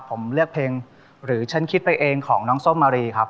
ผมเลือกเพลงหรือฉันคิดไปเองของน้องส้มมารีครับ